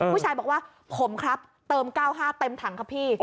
ผู้ชายบอกว่าผมครับเติม๙๕เต็มถังครับพี่